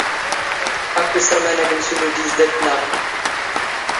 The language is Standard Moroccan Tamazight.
ⴰⴽⴽⵯ ⵉⵚⵔⵎⴰⵏ ⴰⴳⵏⵙⵓ ⵏ ⵓⴷⵉⵙ ⴷⴰ ⵜⵜⵏⴰⵖⵏ